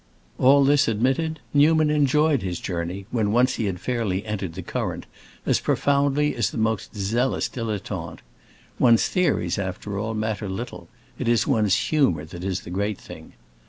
All this admitted, Newman enjoyed his journey, when once he had fairly entered the current, as profoundly as the most zealous dilettante. One's theories, after all, matter little; it is one's humor that is the great thing.